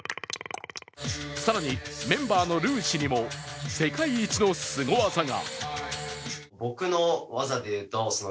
更にメンバーのＲＵＳＹにも世界一のすご技が。